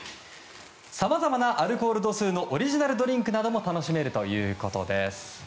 さまざまなアルコール度数のオリジナルドリンクなども楽しめるということです。